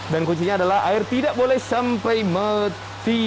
dan kuncinya adalah air tidak boleh sampai mati